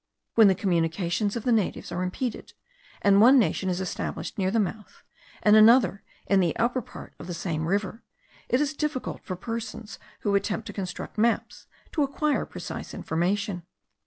When the communications of the natives are impeded, and one nation is established near the mouth, and another in the upper part of the same river, it is difficult for persons who attempt to construct maps to acquire precise information.